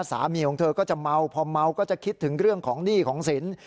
สามีของเธอก็จะเมาพอเมาก็จะคิดถึงเรื่องของหนี้ของสิน